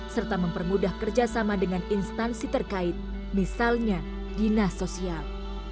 serta mempermudah kerjasama dengan instansi terkait misalnya dinas sosial